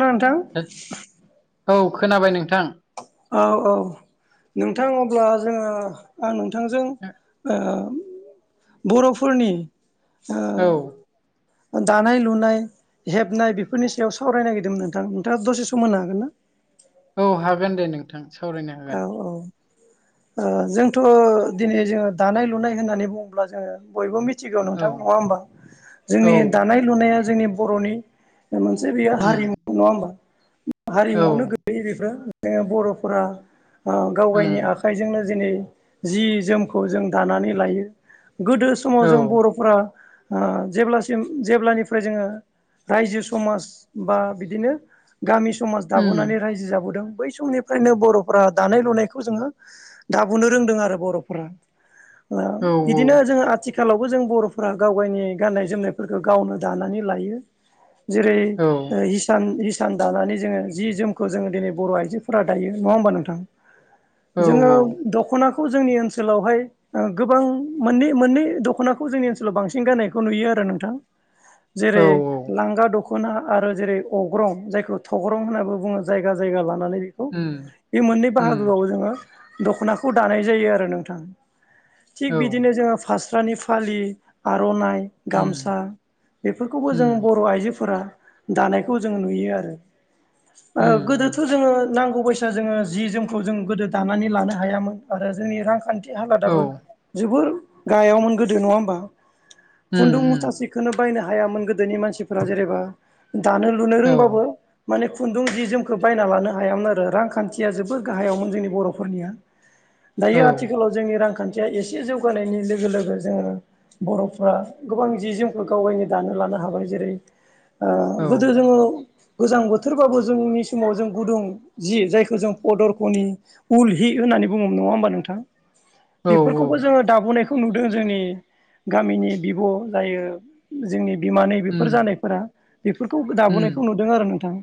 ओ नोंथां औ खोनाबाय नोंथां औ औ नोंथां अब्ला जोङो आं नोंथांजों ओ बर'फोरनि ओ औ दानाय लुनाय हेबनाय बेफोरनि सायाव सावरायनो नागिरदोंमोन नोंथां नोंथांआ दसे सम होनो हागोन ना औ हागोन दे नोंथां सावरायनो हागोन औ औ ओ जोंथ' दिनै जोङो दानाय लुनाय होननानै बुङोब्ला जोङो बयबो मिथि सिगांआव नोंथां नङा होमबा औ जोंनि दानाय लुनाया जोंनि बर'नि मोनसे बेयो उम हारिमु नङा होमबा औ हारिमुआवनो गोलैयो बेफोर जोङो बर'फोरा ओ गाव उम गानि आखा आखाइजोंनो जेनै जि जोमखौ जों दानानै लायो गोदो समाव औ जों बर'फ्रा ओ जेब्लासिम जेब्लानिफ्राय जोङो रायजो समाज बा बिदिनो गामि समाज उम दाबोनानै रायजो जाबोदों बै समनिफ्रायनो बर' फोरा दानाय लुनायखौ जोङो दाबोनो रोंदों आरो बर'फ्रा ओ औ बिदिनो जो आथिखाल आथिखालावबो जों बर'फोरा गाव गावनि गाननाय जोमनायफोरखौ गावनो दानानै लायो जेरै ओ औ इस हिसान इसान दानानै जोङो जि जोमखौ जोङो दिनै बर' आइजोफोरा दायो नङा होमबा नोंथां औ जोङो दख'नाखौ जोंनि ओनसोलावहाय ओ गोबां मोननै मोननै दख'नाखौ जोंनि ओनसोलाव बांसिन गायनायखौ नुयो आरो नोंथां औ जेरै लांगा दख'ना आरो जेरै अग्रं जायखौ थग्रं होननानै बुङो जायगा जायगा लानानै उम बे मोननै उम बाहागोआव जोङो दख'नाखौ दानाय जायो आरो नोंथां औ थिग बिदिनो जोङो फास्रानि फालि आर'नाइ उम गामसा बेफोरखौबो उम जों बर' आइजोफोरा दानायखौ जों नुयो आरो ओ उम उम गोदोथ' जोङो नांगौ बा जोङो जि जोमखौ जों गोदो दानानै लानो हायामोन आरो जोंनि रांखान्थि औ हालादाबो जोबोर गाहायावमोन गोदो नङा होमबा उम खुन्दुं उम मुथासे खौनो बायनो हायामोन गोदोनि मानसिफोरा जेनेबा दानो लुनो औ रोंबाबो माने खुन्दुं जि जोमखौ बायना लानो हायामोन आरो रां खान्थिया जोबोद गाहायावमोन जोंनि बर'फोरनिया औ दायो आथिखालाव जोंनि रांखान्थिया एसे जौगानायनि लोगो लोगो जोङो बर'फ्रा गोबां जि जोमखौ गावबायनो दानो लानो हाबाय जेरै ओ औ गोदो जोङो गोजां बोथोरबाबो जोंनि समाव जों गुदुं जि जाय खौ जों पदरखनि उल हि होननानै बुङो नङा होमबा नोंथां। औ बेफोरखौबो जोङो दाबोनायखौ नुदों जोंनि गामिनि बिब' जायो जोंनि बिमानै बेफोर उम जानायफोरा बेफोरखौ उम दाबोनायखौ नुदों आरो नोंथां।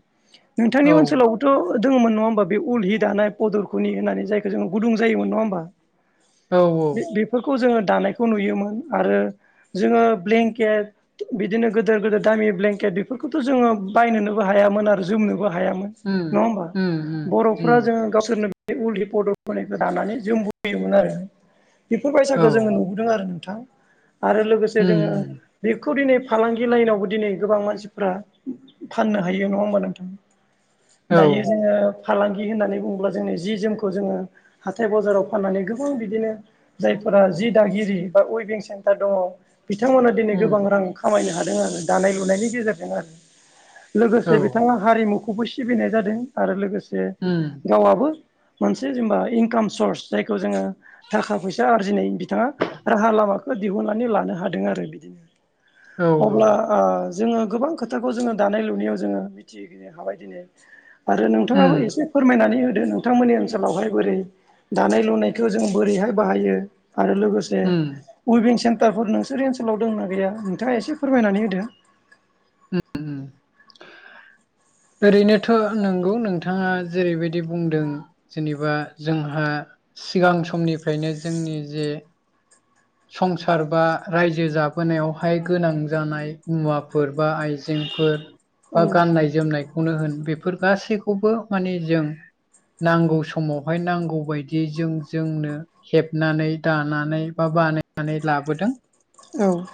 नोंथांनि औ ओनोलावबोथ' दङमोन नङा होमबा बे उल हि दानाय फदरखौनि होननानै जायखौ जोङो गुदुं जायोमोन नङा होमबा औ बे फोरखौ जोङो दानायखौ नुयोमोन आरो जोङो ब्लेंकेट बिदिनो गोदेर गोदेर दामि ब्लेंकेट बेफोरखौथ' जोङो बायनोनोबो हायामोन आरो जोमनोबो हायामोन उम उम उम उम बर'फ्रा जोङो गावसोरनो बे उल हि पदरखनायखौ दानानै जोमबोयोमोन आरो बेफोर औ बायसाखौ जोङो नुबोदों आरो नोंथां आरो लोगोसे उम जोङो उम बेखौ दिनै फालांगि लाइनावबो दिनै गोबां मानसिफ्रा फाननो हायो नङा होमबा नोंथां औ दायो जोङो फालांगि होननानै बुङोब्ला जोंनि जि जोमखौ जोङो हाथाय बाजाराव फाननानै गोबां बिदिनो जायफोरा जि दागिरि बा उइबिं सेन्टार दङ बिथांमोना दिनै उम गोबां रां खामायनो हादों आरो दानाय लुनायनि गेजेरजों आरो औ लोगोसे बिथाङा हारिमुखौबो सिबिनाय जादों आरो लोगोसे उम गावआबो मोनसे जेनेबा इनकाम सर्स जायखौ जोङो थाखा फैसा आरजिनाय बिथाङा राहा लामाखौ दिहुननानै लानो हादों आरो बिदिनो औ अब्ला ओ जोङो गोबां खोथाखौ जोङो दानाय लुनायाव जोङो मिथिनो हाबाय दिनै आरो नों थाङाबो उम एसे फोरमायनानै होदो नोंथांमोननि ओनसोलावहाय बोरै दानाय लुनायखौ जों बोरैहाय बाहायो आरो लोगोसे जे उम उइभिं सेन्टारफोर नोंसोरनि ओनसोलाव दं ना गैया नोंथाङा एसे फोरमायनानै होदो उम [inaudible] ओरैनोथ' नंगौ नोंथाङा जेरैबायदि बुंदों जेनेबा जोंहा सिगां समनिफ्रायनो जोंनि जे संसार बा रायजो जाबोनायावहाय गोनां जानाय मुवाफोर बा आइजेंफोर औ बा गाननाय जोमनायखौनो होन बेफोर गासैखौबो माने जों नांगौ समावहाय नांगौबायदियै जों जोंनो हेबनानै दानानै बा बानायनानै लाबोदों औ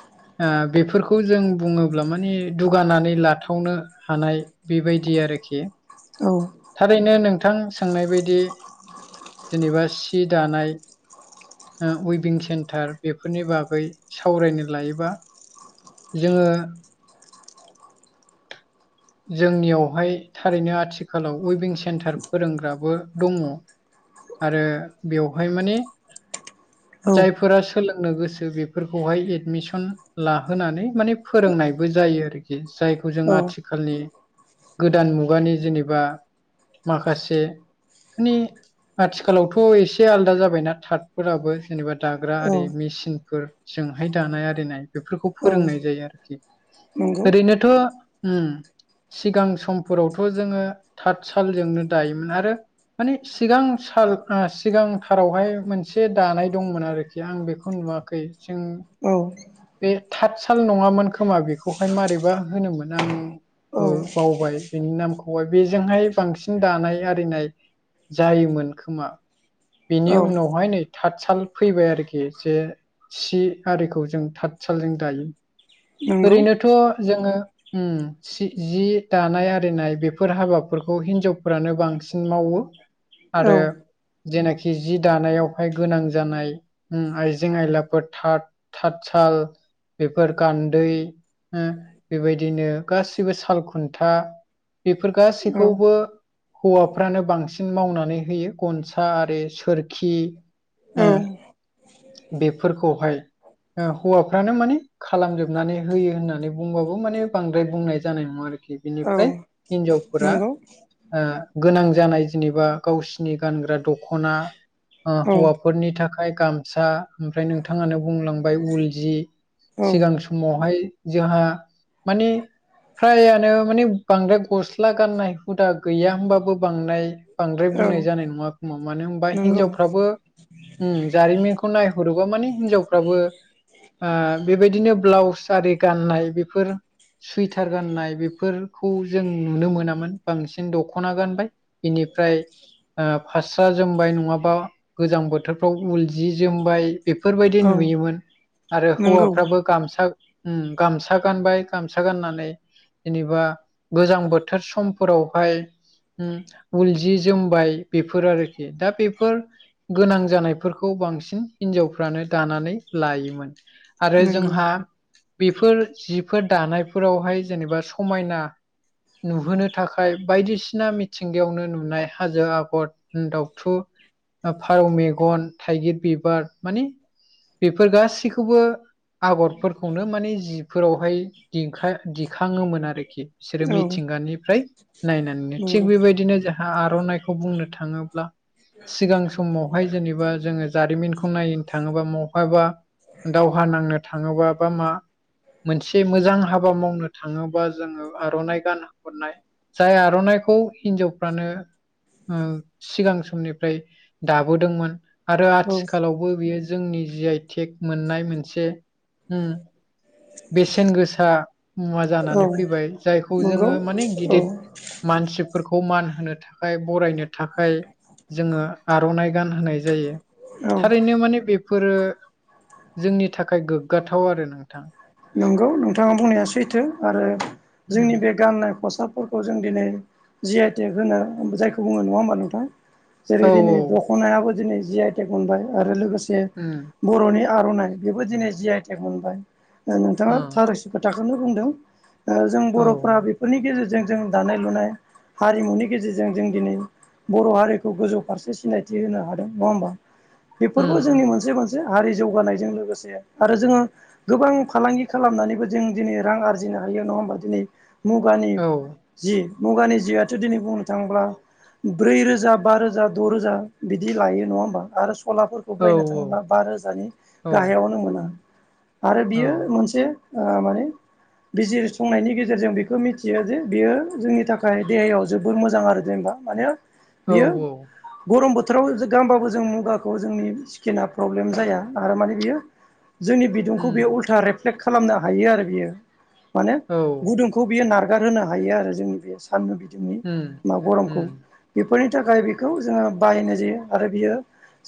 ओ बेफोरखौ जों बुङोब्ला माने दुगानानै लाथावनो हानाय बेबायदि आरोखि औ थारैनो नोंथां सोंनाय बायदि जेनेबा सि दानाय ओ उयभिं सेन्टार बेफोरनि बागै सावरायनो लायोबा जोङो जोंनियावहाय थारैनो आथिखालाव उइभिं सेन्टार फोरोंग्राबो दङ आरो बेवहाय माने औ जायफोरा सोलोंनो गोसो बेफोरखौहाय एडमिसन लाहोनानै माने फोरोंनायबो जायो आरोखि जायखौ जों आथि औ खालनि गोदान मुगानि जेनेबा माखासे माने आथिखालावथ एसे आलादा जाबायना थाटफोराबो जेनेबा दाग्रा औ आरि मेसिनफोर जोंहाय दानाय आरिनाय बेफोरखौ औ फोरोंनाय जायो आरोखि नंगौ ओरैनो थ उम सिगां समफोरावथ जोङो थाथ सालजोंनो दायोमोन आरो माने सिगां सालफ्रा सिगांथारावहाय मोनसे दानाय दंमोन आरोखि आं बेखौ नुवाखै जों औ बे थाथ साल नङामोन खोमा बेखौहाय मारैबा होनोमोन आं औ बो बावबाय बेनि नामखौय बेजोंहाय बांसिन दानाय आरिनाय जायोमोन खोमा बिनि औ उनावहाय नै थाथ साल फैबाय आरोखि जे सि आरिखौ जों थाथसालजों दायो नंगौ ओरैनोथ जोङो उम सि जि दानाय आरिनाय बेफोर हाबाफोरखौ हिन्जावफोरानो बांसिन मावो औ आरो जेनाखि जि दानायावहाय गोनां जानाय आइजें आयलाफोर थाथ थाथ साल बेफोर गान्दै ओ बेबायदिनो गासिबो साल खुन्था बेफोर औ गासैखौबो हौवाफ्रानो बांसिन मावनानै होयो गनसा आरो सोरखि औ ओ बेफोरखौहाय ओ हौवाफ्रानो माने खालामजोबनानै होयो होननानै बुंबाबो माने बांद्राय बुंनाय जानाय नङा आरोखि औ बिनिफ्राय हिनजावफोरा नंगौ ओ गोनां जानाय जेनेबा गावसिनि गानग्रा दख'ना ओ औ हौवा फोरनि थाखाय गामसा ओमफ्राय नोंथाङानो बुंलांबाय उल जि औ सिगां स मावहाय जोंहा माने फ्रायानो माने बांद्राय गस्ला गाननाय हुदा गैया होनबाबो बांनाय बांद्राय औ बुंनाय जानाय नङा खोमा मानो होनबा नंगौ हिनजावफ्राबो उम जारिमिन खौ नायहरोबा माने हिनजावफ्राबो आ बेबायदिनो ब्लाउस आरि गाननाय बेफोर सुइटार गाननाय बेफोरखौ जों नुनो मोनामोन बांसिन दखना गानबाय बेनिफ्राय ओ फास्रा जोमबाय नङाबा गोजां बोथोरफ्राव उल जि जोमबाय बेफोरबायदि औ नुयोमोन आरो नंगौ हौवाफ्राबो गामसा उम गामसा गानबाय गामसा गाननानै जेनेबा गोजां बोथोर समफोरावहाय उम उलजि जोमबाय बेफोर आरोखि दा बेफोर गोनां जानायफोरखौ बांसिन हिनजावफ्रानो दानानै लायोमोन आरो नंगौ जोंहा बेफोर जिफोर दानायफोरावहाय जेनेबा समायना नुहोनो थाखाय बायदिसिना मिथिंगायावनो नुनाय हाजो आगर दाउथु फारौ मेगन थाइगिर बिबार माने बेफोर गासैखौबो आगरफोरखौनो माने जिफोरावहाय दिखाङोमोन आरोखि बिसोरो औ मिथिंगानिफ्राय नायनानैनो थिग नंगौ बेबायदिनो जा आर'नाइखौ बुंनो थाङोब्ला सिगां समावहाय जेबा जोङो जारिमिनखौ नायनो थाङोबा बहाबा दावहा नांनो थाङोबा बा मा मोनसे मोजां हाबा मावनो थाङोबा जोङो आर'नाइ गान हरनाय जाय आर'नाइखौ हिन्जावफ्रानो सिगां समनिफ्राय दाबोदोंमोन आरो औ आथि बो बेयो जोंनि जि आइ टेक मोननाय मोनसे बेसेन गोसा मुवा औ जानानै फैबाय जायखौ नंगौ जोङो माने औ गिदिर मानसिफोरखौ मान होनो थाखाय बरायनो थाखाय जोङो आर'नाइ गान होनाय जायो। औ थारैनो माने बेफोरो जोंनि थाखाय गोग्गाथाव आरो नोंथां। नंगौ नोंथाङा बुंनाया सैथो आरो उम जोंनि बे गाननाय खसादफोरखौ जों दिनै जि आइ टेक होनो जायखौ बुङो नङा हबा नोंथाङा औ जेरै दिनै औ खनायाबो दिनै जि आइ टेक मोनबाय आरो लोगोसे उम बर'नि आर'नाइ बेबो दिनै जि आइ टेक मोनबाय। औ नोंथाङा थारस खोथाखौनो बुंदों जों बर'फ्रा उम बे फोरनि गेजेरजों जों दानाय लुनाय हारिमुनि गेजेरजों जों दिनै बर' हारिखौ गोजौ फारसे सिनायथि होनो हादों नङा होमबा? बेफोरखौ जोंनि उम मोनसे मोनसे हारि जौगानायजों लोगोसे आरो जोङो गोबां फालांगि खालामनानैबो जों दिनै रां आरजिनो हायो नङा होनोमबा दिनै मुगानि औ जि मुगानि जिआथ' दिनै बुंनो थाङोब्ला ब्रै रोजा बा रोजा द' रोजा बिदि लायो नङा होमबा आरो सलाफोरखौ खौ औ बायनो थाङोब्ला बा रोजानि औ गाहायावनों मोन आं आरो औ बियो मोनसे ओ माने बिजिरसंनायनि गेजेरजों बेखौ मिथियो जे बेयो जोंनि थाखाय देहायाव जोबोर मोजां आरो जेनेबा माने औ बियो औ गरम बोथोराव गाहबाबो जों मुगाखौ जोंनि स्किना प्रब्लेम जाया आरो माने बियो जोंनि बिदुंखौ उम बेयो उल्था रे टेक खालामनो हायो आरो बियो माने औ। गुदुंखौ बियो नारगार होनोनो हायो आरो जोंनि बे सानदुं बिदुंनि उम मा गरमखौ उम बेफोरनि थाखाय बेखौ जोङो बाहायनाय जायो आरो बियो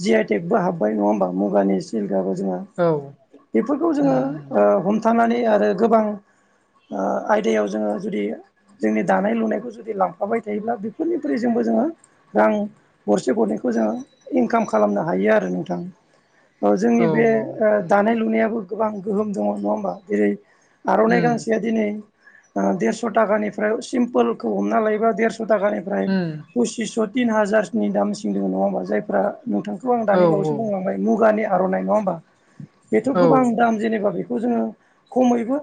जि आइ टेकबो हाबबाय नङा होमबा मुगानि सिलकाबबो जोंहा औ बेफोरखौ जोङो उम ओ हमथानानै आरो गोबां आयदायाव जोङो जुदि जोंनि दानाय लुनायखौ जुदि लांफाबाय थायोब्ला बेफोरनिफ्राय जजोंबो जोङो रां गरसे गरनैखौ जोङो इनकाम खालामनो हायो आरो नोंथां। औ जोंनि बे दानाय लुनायाबो गोबां गोहोम दङ नङा होमबा जेरै आर'नाइ उम गांसेआ दिनै देरस' टाखानिफ्राय सिम्पोलखौ हमना लायोबा देरस' टाखानिफ्राय उम पसिस' तिन हाजारनि दामसिं दङ नङा होमबा जायफ्रा नोंथांखौ आं औ दानि बावसो बुं मुानि आर'नाय नङा होमबा बेथ' औ गोबां दाम बे जोङो खमैबो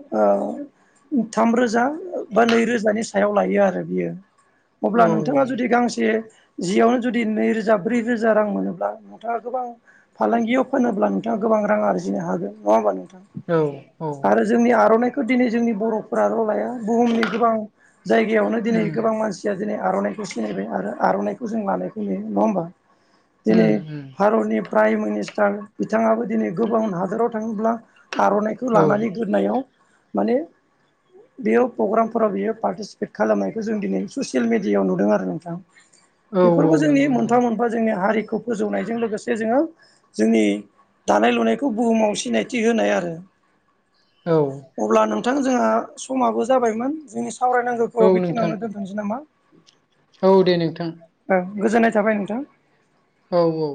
थाम रोजा बा नैरोजानि सायाव लायो आरो बियो औ उम अब्ला नोंथाङा जुदि गांसे जियावनो जुदि नैरोजा ब्रै रोजा रां मोनोब्ला नोंथाङा गोबां फालांगियाव फानोब्ला नोंथाङा गोबां रां आरजिनो हागोन नङा होमबा नोंथा? औ। आरो जोंनि आर'नाइखौ दिनै जोंनि बर'फोराल' लाया। बुहुमनि गोबां जायगायावनो दिनै गोबां मानसि जथिया दिनै आर'इखौ सिनायबाय आरो आर'नाइखौ जों लानायखौ नुयो नङा होमबा? दिनै उम भारतनि प्राइम मिनिस्टार बिथाङाबो दिनै गोबां हादोराव थाङोब्ला आर'नाइखौ औ लानानै गोदोनायाव माने बेयो प्रग्रामफोराव बियो पार्टिसिपेट खालामनायखौ जों दिनै ससियेल मिडियाआव नुदों आरो नोंथां औ बेफोरबो औ जोंनि नंगौ नंगौ मोनफा मोनफा जोंनि हारिखौ फोजौनायजों लोगोसे जोंङो जोंनि दानाय लुनायखौ बुहुमाव सिनायथि होनाय आरो औ अब्ला नोंथां जोंहा समाबो जाबायमोन जोंनि सावरायनांगौ खौ औ नोंथां बेखिनिावनो दोनथ'नोसै नामा औ दे नोंथां गोजोननाय थाबाय नोंथां औ औ